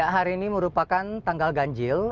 hari ini merupakan tanggal ganjil